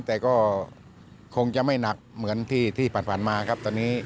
แต่ก็คงจะไม่หนักเหมือนที่ผ่านมาครับตอนนี้